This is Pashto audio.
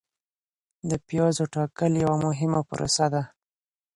د پیازو ټاکل یوه مهمه پروسه ده.